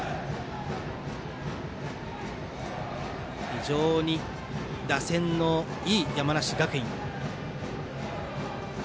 非常に打線のいい山梨学院。